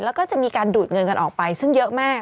แล้วก็จะมีการดูดเงินกันออกไปซึ่งเยอะมาก